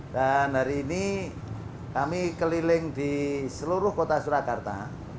dan hari ini kami keliling di seluruh kota surakarta